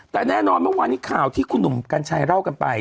แต่แน่นอนเมื่อวานนี้ข่าวที่คุณหนุ่มกัญชัยเล่ากันไป